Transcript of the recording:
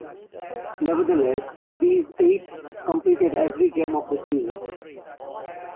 Nevertheless, these eight completed every game of the season.